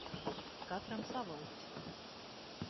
Katram sava uts.